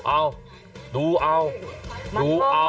เอาดูเอาดูเอา